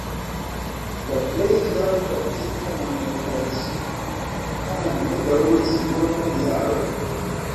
La plej klara praktika monetarismo tamen ne daŭris multajn jarojn.